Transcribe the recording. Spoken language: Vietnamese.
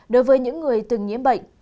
đối với những người từng nhiễm bệnh